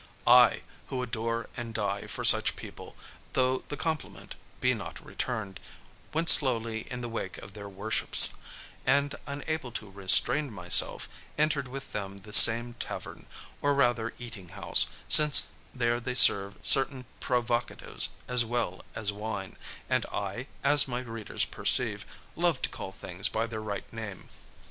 I who adore and die for such people, though the compliment be not returned went slowly in the wake of their worships, and, unable to restrain myself, entered with them the same tavern, or rather eating house, since there they serve certain provocatives as well as wine, and I, as my readers perceive, love to call things by their right name.